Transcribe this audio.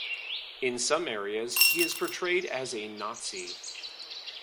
In some areas, he is portrayed as a Nazi.